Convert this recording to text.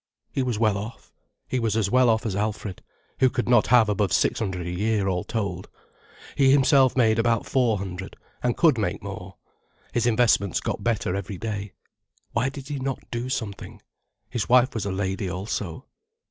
He was well off. He was as well off as Alfred, who could not have above six hundred a year, all told. He himself made about four hundred, and could make more. His investments got better every day. Why did he not do something? His wife was a lady also.